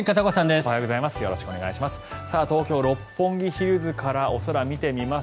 おはようございます。